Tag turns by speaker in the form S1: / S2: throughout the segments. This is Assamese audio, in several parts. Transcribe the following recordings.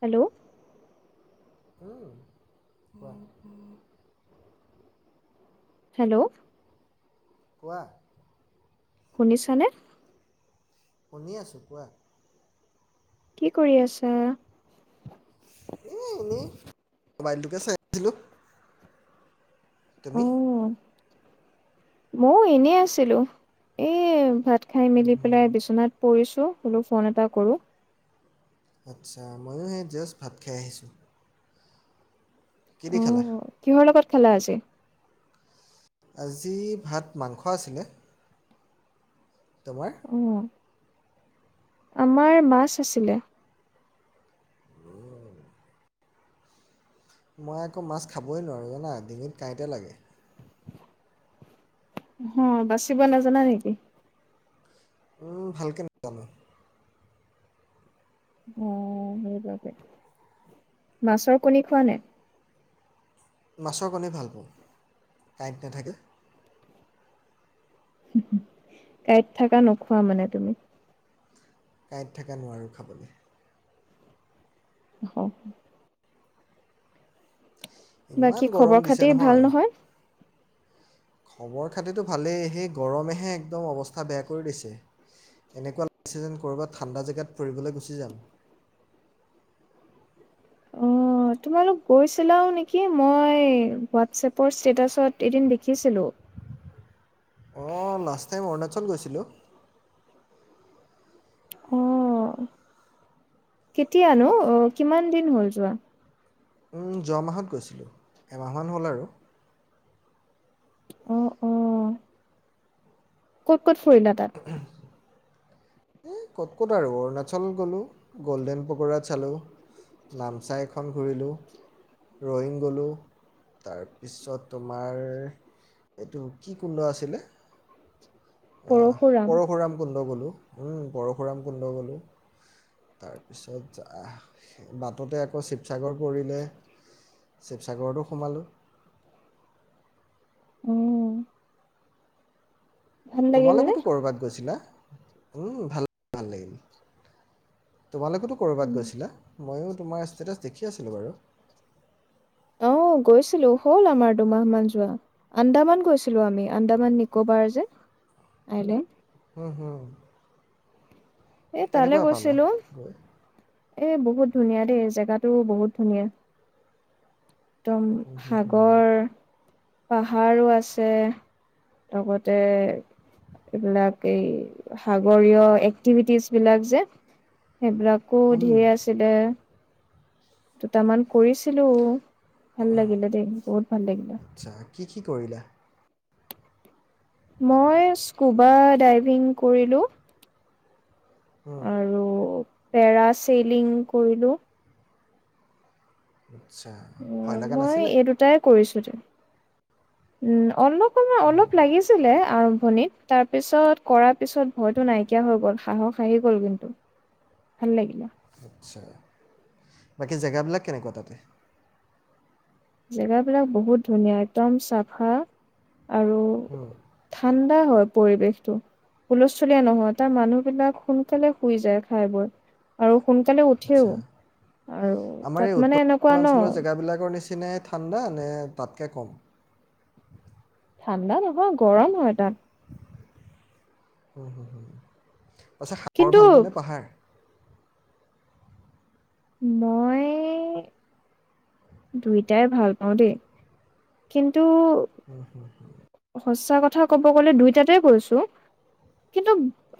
S1: হেল্ল'
S2: হ ব [inaudible]
S1: হেল্ল'
S2: কোৱা
S1: শুনিছানে
S2: শুনি আচু কোৱা
S1: কি কৰি আছা
S2: এ এনেই মোবাইলটোকে চাই আছিলো। তুমি
S1: মইও এনে আছিলো এ ভাত খাই মেলি পেলাই বিচনাত পিৰছো। ফোন এটা কৰো।
S2: আচ্ছা ময়ো সেই জাষ্ট ভাত খাই আহিছোঁ। কি দি খালা।
S1: খেলা আছে
S2: আজি ভাত মাংস আছিলে। তোমাৰ?
S1: অ আমাৰ মাছ আছিলে।
S2: মই আকৌ মাছ খাবই নোৱাৰোঁ জানা, ডিঙিত কাঁইতে লাগে।
S1: হ বাচিব নাজানা নেকি?
S2: উ ভালকে নাজানো।
S1: অ সেইবাবে, মাছৰ কণী খোৱা নে?
S2: মাছৰ কণীয়ে ভাল পাওঁ, কাঁইট নাথাকে।
S1: কাঁইত থকা নোখোৱা মানে তুমি।
S2: কাঁইট থকা নোৱাৰোঁ খাবলৈ।
S1: হ।
S2: ইমান
S1: বাকী
S2: গৰম
S1: খবৰ
S2: দিছে
S1: খাতি ভাল নহয়।
S2: খবৰ খাতিতটো ভালেই সেই গৰমেহে একদম অৱস্থা বেয়া কৰি দিছে, এনেকুৱা লাগিছে যেন ক'ৰবাত ঠাণ্ডা জেগাত ফুৰিবলৈ গুচি যাম।
S1: অ তোমালোক গৈছিলাও নেকি মই, হোৱাটছএপৰ ষ্টেটাছত এদিন দেখিছিলোঁ।
S2: অ লাষ্ট টাইম অৰুণাচল গৈছিলোঁ।
S1: অহ কেতিয়ানো আহ কিমান দিন হ'ল যোৱা।
S2: যোৱা মাহত গৈছিলোঁ এমাহমান হ'ল আৰু
S1: অঁ অঁ ক'ত ফুৰিলা তাত।
S2: এই ক'ত ক'ত আৰু অৰুণাচল গ'লোঁ, গ'ল্ডেন পকোৰা চালোঁ নামচাই এখন ঘূৰিলোঁ, ৰয়িং গ'লোঁ তাৰপিছত তোমাৰ এইটো কি কুণ্ড আছিলে।
S1: পৰশুৰাম
S2: পৰশুৰাম কুণ্ড গ'লোঁ। পৰশুৰাম কুণ্ড গ'লোঁ তাৰপিছত অহ বাটতে আকৌ চিপ চি সাগৰ কৰিলে শিৱসাগৰতো সোমালোঁ।
S1: উম।
S2: তোমালোকতো ক'ৰবাত গৈছিলা। উম, ভাল‌ ভালেই। তোমালোকেতো ক'ৰবাত গৈছিলা, ময়ো তোমাৰ ষ্টেটাছ দেখি আছিলোঁ বাৰু।
S1: অ', গৈছিলো হ'ল আমাৰ দুমাহ মান যোৱা আন্দামান গৈছিলো আমি আন্দামান নিকোবাৰ যে আইলেণ্ড।
S2: হম, হম।
S1: এ, তালৈ গৈছিলো, এ বহ বহুত ধুনীয়া দেই জেগাতো বহুত ধুনীয়া। একদম
S2: হুম হুম হুম
S1: সাগৰ পাহাৰো আছে লগতে এইবিলাক এই সাগৰীয় এক্টিভিটিজ বিলাক যে সেইবিলাকো
S2: হুম
S1: ধেৰ আছিলে। দুটামান কৰিছিলো। ভাল লাগিলে দেই বহুত ভাল লাগিলে।
S2: আচ্ছা কি কি কৰিলা?
S1: মই স্কুবা ডাইভিং কৰিলোঁ।
S2: হুম
S1: আৰু পেৰা চেলিং কৰিলো।
S2: আচ্ছা
S1: অ,
S2: ভয়
S1: '
S2: লগা
S1: মই
S2: নাছিলে
S1: এই দুটাই কৰিছো। উম, অল অকমান অলপ লাগিছিলে আৰ ম্ভনীত তাৰপিছত কৰাৰ পিছত ভয় টো নাইকিয়া হৈ গ'ল সাহস আহি গ'ল কিন্তু, ভাল লাগিল।
S2: আচ্ছা বাকী জেগা বিলাক কেনেকুৱা তাতে?
S1: জেগা বিলাক বহুত ধুনীয়া একদম চাফা আৰু
S2: হুম
S1: ধান ঠান্ডা হয় পৰিৱেশটো, হুলস্থুলীয়া নহয়, তাৰ মানুহ বিলাক সোনকালে শুই যায় খাই বৈ আৰু সোনকালে উঠেও
S2: আচ্ছা
S1: আৰু
S2: আমাৰ এই
S1: তাত
S2: উত্তৰ
S1: মানে এনেকুৱা ন'।
S2: পূৰ্বাঞ্চলৰ জেগাবিলাকৰ নিচিনাই ঠাণ্ডা নে তাতকে কম?
S1: ঠাণ্ডা নহয় গৰম হয় তাত।
S2: উম হম হম। আচ্ছা সাগৰ
S1: কিন্তু
S2: ভাল পোৱানে পাহাৰ?
S1: মই দুইটাই ভাল পাওঁ দেই। কিন্তু।
S2: উম, হম, হু।
S1: সচা কথা ক'ব গলে দুইটাতে কৈছো। কিন্তু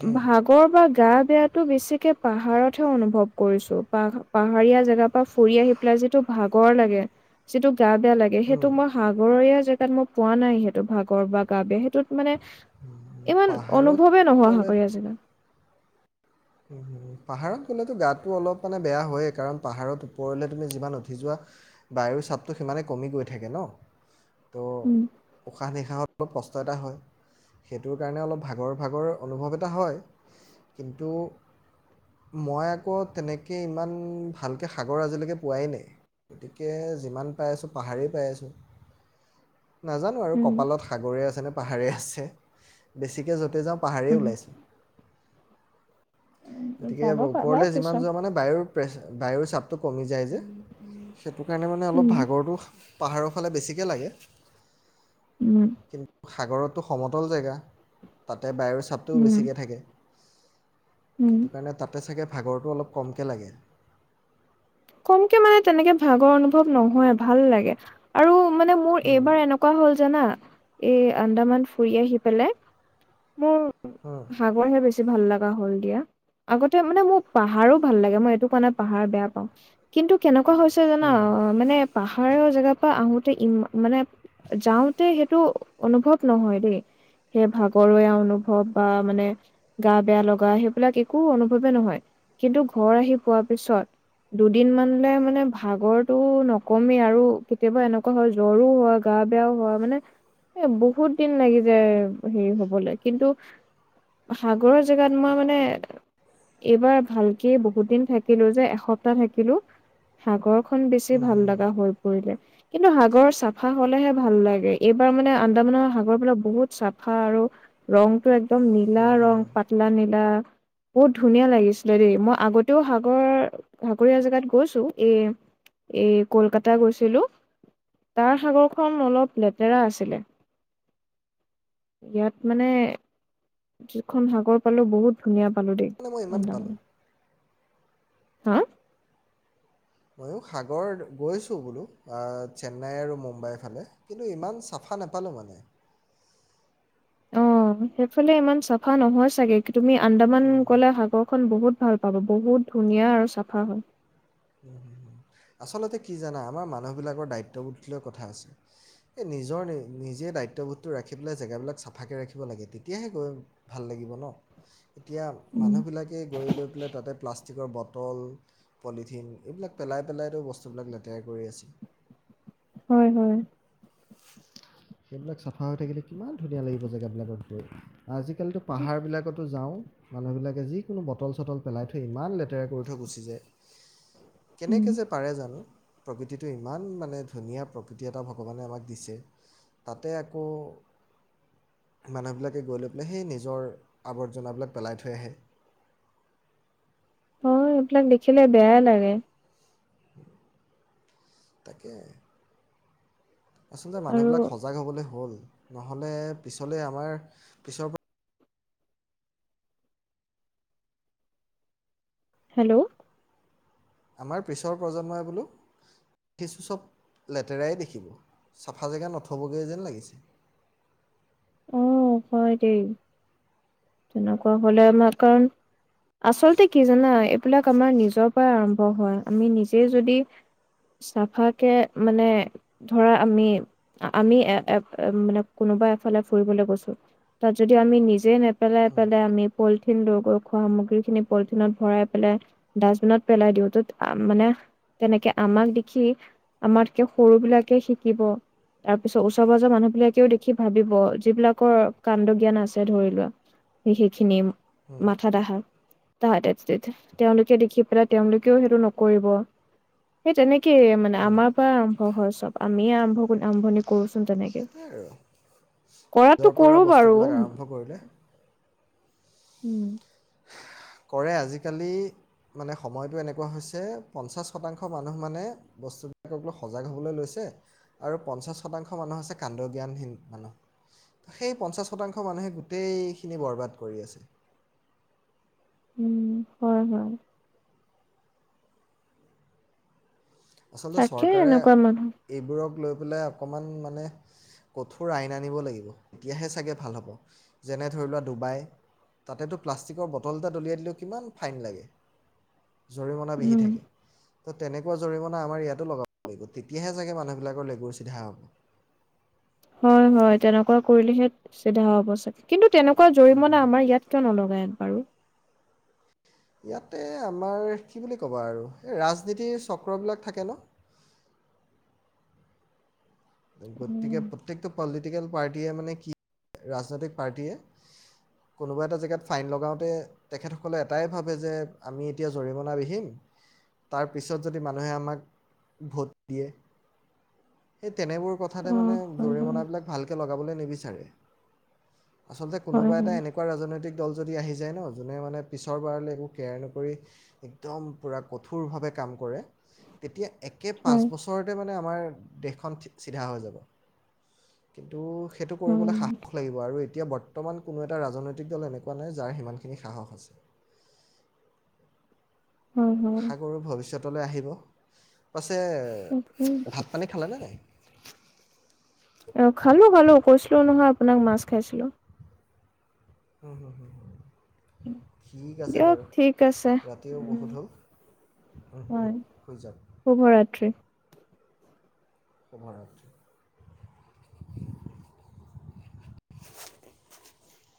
S2: হুম
S1: ভাগৰ বা গাত বেয়াতো বেছিকে পাহাৰত হে অনুভৱ কৰিছো পাহ পাহাৰীয়া জেগাৰ পৰা ফুৰি আহি পেলাই যিটো ভাগৰ লাগে যিটো গা বেয়া লাগে সেইটো
S2: হুম
S1: মই সাগৰীয়া জগা তাত মই পোৱা নাই স ভাগৰ বা গা বেয়া হে ত মানে ইমান
S2: পাহাৰত
S1: অনুভৱে নোহোৱা হৈ
S2: গ'লে
S1: গৈ আছিলে
S2: পাহাৰত গ'লেতো গাতটো অলপ মানে বেয়া হয়েই কাৰণ পাহাৰত ওপৰলে তুমি যিমান উঠি যোৱা বায়ুৰ চাপটো সিমানে কমি গৈ থাকে ন তো
S1: উম
S2: উশাহ নিশাহৰ অলপ কষ্ট কষ্ট এটা হয় সেইটোৰ কাৰণে অলপ ভাগৰ ভাগৰ অনুভৱ এটা হয়। কিন্তু - মই আকৌ তেনেকে ইমান ভালকে সাগৰ আজিলৈকে পোৱাই নাই গতিকে যিমান পাই আছোঁ পাহাৰেই পাই আছোঁ নাজানো আৰু
S1: উম
S2: কপালত সাগৰে আছে ন পাহাৰে আছে বেছিকে য'তে যাওঁ পাহাৰেই ওলাইছোঁন
S1: উম,
S2: গতিকে
S1: যাব পাৰা
S2: ওপৰলে
S1: পিছত
S2: যিমান যোৱা মানে বায়ুৰ প্ৰে বায়ুৰ চাপটো কমি যায় যে সেইটো কাৰণে মানে অলপ
S1: উম,
S2: ভাগৰটো পাহাৰৰ ফালে বেছিকে লাগে
S1: উম
S2: কিন্তু সাগৰতটো সমতল জেগা তাত তাতে বায়ুৰ চাপটোও
S1: উম,
S2: বেছিকে থাকে
S1: উম,
S2: সেইটো কাৰণে তাতে চাগে ভাগৰটো অলপ কমকৈ লাগে।
S1: কমকে মানে তেনেকে ভাগৰ অনুভৱ নহয় ভাল লাগে। আৰু- মানে মোৰ
S2: হুম,
S1: এইবাৰ এনেকুৱা হ'ল জানা এই আন্দামান ফুৰি আহি পেলাই মোৰ
S2: হুম।
S1: সাগৰহে বেছি ভাল লগা হ'ল দিয়া আগতে মানে মোৰ পাহাৰো ভাল লাগে মই এইটো কোৱা নাই পাহাৰ বেয়া পাওঁ কিন্তু কেনেকা এনেকুৱা হৈছে জানা মানে পাহাৰৰ জেগাৰ পৰা আহোতে ই মানে যাওঁতে সেইটো অনুভৱ নহয় দেই। সেই ভাগৰুৱা অনুভৱ বা মানে গা' বেয়া লগা সেইবিলাক একো অনুভৱেই নহয়। কিন্তু ঘৰ আহি পোৱাৰ পিছত- দুদিনমানানলে মানে ভাগৰটো নকমে আৰু কেতিয়াবা এনেকুৱা হয় জ্বৰো হয়, গা বেয়াও হ, মানে এ বহুত দিন লাগি যায় হেৰি হবলৈ। কিন্তু সাগৰৰ জেগাত মই মানে এইবাৰ ভালকে বহুত দিন থাকিলো যে এসপ। টা থাকিলো সাগৰ। খন বেছি ভাল লগা হৈ পৰিলে। কিন্তু সাগৰ চাফা হলেহে ভাল লাগে। এইবাৰ মানে আন্দামানৰ সাগৰবিলাক বহুত চাফা আৰু ৰংটো এক একদম নীলা ৰং, পাতলা নীলা। বহুত ধুনীয়া লাগিছিলে দেই। মই আগতেওঁ সাগৰ সাগৰীয়া জেগাত গৈছো। এই এই কলকাতা গৈছিলো। তাৰ সাগৰখন অলপ লেতেৰা আছিলে। ইয়াত মানে যিখন সাগৰ পালো বহুত ধুনীয়া। পালো দেই
S2: মানে মই ইমান
S1: আন্দামান।
S2: পালোঁ
S1: হা।
S2: ময়ো সাগৰ গৈছো বোলো চেন্নাই আৰু মুম্বাইৰ ফালে কিন্তু ইমান চাফা নাপালোঁ মানে।
S1: অ সেইফালে ইমান চাফা নহয় চাগে তুমি আন্দামান গ'লে সাগৰ খন বহুত ভাল পাব বহুত ধুনীয়া আৰু চাফা হয়।
S2: আচলতে কি জানা আমাৰ মানুহবিলাকৰ দায়িত্ববোধ লৈ কথা আছে। এই নিজৰ নি নিজে দায়িত্ববোধটো ৰাখি পেলাই জেগাবিলাক চাফাকৈ ৰাখিব লাগে তেতিয়াহে গৈ ভাল লাগিব ন। এতিয়া
S1: উম,
S2: মানুহবিলাকে গৈ লৈ পেলাই তাতে প্লাষ্টিকৰ বট। টল পলিথিন। ঠিন, এইবিলাক পেলাই পেলাইতো বস্তুবিলাক লেতেৰা কৰি আছে।
S1: হয় হয়।
S2: সেইবিলাক চাফা হৈ থাকিলে কিমান ধুনীয়া লাগিব জেগাবিলাকত গৈ। আজি কালিতো পাহাৰ বিলাকত। যাওঁ, মানুহবিলাকে যিকোনো বটল-চটল পেলাই থৈ ইমান লেতেৰা কৰি থৈ গুচি যায়।
S1: উম।
S2: কেনেকে যে পাৰে জানো প্ৰকৃ। প্ৰতিটো ইমান মানে ধুনীয়া প্ৰকৃতি এটা ভগৱানে আমাক। দিছে, তাতে আকৌ মানুহবিলাকে গৈ লৈ পেলাই সেই নিজৰ আৱৰ্জনাবিলাক পেলাই থৈ আহে।
S1: অ এইবিলাক দেখিলে বেয়াই লাগে।
S2: তাকে। আচলতে
S1: আৰু
S2: মানুহবিলাক সজাগ হ'বলে হ'ল। নহ'লে পিছলে আমাৰ পিছৰ পৰা।
S1: হেল্লো।
S2: আমাৰ পিছৰ প্ৰজন্মই বোলো উঠিছো চব লেতেৰাই দেখিব। চাফা জেগা নথবগৈ যেন লাগিছে।
S1: অ হয় দেই তেনেকুৱা হ'লে আমাৰ কাৰণ আচলতে কি জানা, এইবিলাক আমাৰ নিজৰ পৰা আৰম্ভ হোৱা। আমি নিজে যদি চাফা কে মানে ধৰা আমি আমি এ মানে কোনোবা। ফালে ফুৰিবলৈ গৈছো তাত যদি আমি নিজে নে। পেলাই পেলাই আমি পল্টি। [inaudible] খোৱা সামগ্ৰী খিনি পলিথিনত ভৰাই পেলাই ডাষ্টবিনত পেলাই দিওঁ। তত মানে তেনেকে আমাক দেখি আমাতকে সৰু বিলাকে শিকিব। তাৰ পিছত ওচৰ পাজৰ মানুহ বিলাকেও দেখি। ভাবিব যিবিলাকৰ কাণ্ড জ্ঞান আছে ধৰিলোৱা সি সেইখিনি মাথাত অহা তাহাঁতে [inaudible] তেওঁলোকে দেখি পেলাই তেওঁলোকেও সেইটো নকৰিব। সেই তেনেকেই মানে আমাৰ পৰা আৰম্ভ হয় চব আমিয়ে আৰম্ভ আৰম্ভণি কৰছ।
S2: সেইটোৱেই আৰু।
S1: কৰাতো
S2: জৰ
S1: কৰো
S2: পৰা
S1: বাৰু
S2: বস্তুবিলাক আৰম্ভ কৰিলে
S1: উম
S2: কৰে আজিকালি মানে সময়টো এনেকুৱা হৈছে পঞ্চাছ শতাংশ মানুহ মানে বস্তুবিলাকক লৈ সজাগ হ'বলৈ লৈছে আৰু পঞ্চাছ শতাংশ মানুহ হৈছে কাণ্ড জ্ঞানহীন মানুহ। সেই পঞ্চাছ শতাংশ মানুহে গোটেইখিনি বৰবাদ কৰি আছে
S1: উম হয় হয়
S2: আচলতে
S1: থাকে
S2: চৰকাৰে
S1: এনেকুৱা মানুহ
S2: এইবোৰক লৈ অকণমান মানে কঠোৰ আইন আনিব লাগিব। তেতিয়াহে চাগে ভাল হ'ব। যেনে ধৰি লোৱা ডুবাই তাতেতো প্লাষ্টিকৰ বটল এটা দলিয়াই দিলেও কিমান ফাইন লাগে। জৰিমনা বিহি
S1: উম
S2: থাকে। ত তেনেকুৱা জৰিমনা আমাৰ ইয়াতো লগাব লাগিব তেতিয়াহে চাগে মানুহবিলাকৰ লেগুৰ চিধা হ'ব।
S1: হয় হয় তেনেকুৱা কৰিলেহে চিধা হ'ব চাগে। কিন্তু- তেনেকুৱা জৰিমনা আমাৰ ইয়াত কিয় নলগাই। বাৰু
S2: ইয়াতে আমাৰ কি বুলি ক'বা আৰু ৰাজনীতিৰ চক্ৰবিলাক থাকে ন'। গতিকে
S1: উম
S2: প্ৰত্যেকটো পলিটিকেল পাৰ্টীয়ে মানে কি ৰাজনৈতিক পাৰ্টীয়ে কোনোবা এটা জেগাত ফাইন লগাওঁতে তেখেতসকলে এটাই ভাবে যে আমি এতিয়া জৰিমনা বিহিম তাৰ পিছত যদি মানুহে আমাক ভোট দিয়ে। তেনেবোৰ কথাতে
S1: অ
S2: মানে
S1: হয় হয়
S2: জৰিমনাবিলাক ভালকে ল লগাবলৈ নিবিচাৰে। আচলতে কোনোব
S1: হয়
S2: এটা
S1: হয়
S2: এনেকুৱা ৰাজনৈতিক দল যদি আহি যায় ন' যোনে মানে পিছৰবাৰলৈ একো কেয়াৰ নকৰি একদম পূৰা কঠোৰভাৱে কাম কৰে তেতিয়া একে পাঁচ
S1: হয়
S2: বছৰতে মা মানে আমাৰ দেশখন চিধা হৈ যাব কিন্তু সেইটো
S1: উম
S2: কৰিবলৈ সাহস লাগিব আৰু এতিয়া বৰ্তমান কোনো এটা ৰাজনৈতিক দল এনেকুৱা নাই যাৰ সিমানখিনি সাহস আছে।
S1: হয় হয়
S2: সাগৰৰ ভৱিষ্যত আহিব
S1: তাকে
S2: [unintelligible] ভাত পানি খাল নে নাই?
S1: অ', খালো খালো কৈছিলো নহয় আপোনাক মাছ খাইছিলো।
S2: উম, হুম, হুম। ঠিক আছে
S1: দিয়ক
S2: বাৰু
S1: ঠিক আছে
S2: ৰাতিও
S1: উম
S2: বহুত হ'ল
S1: হয়
S2: শুই যাওঁ।
S1: শুভৰাত্ৰি
S2: [unintelligible]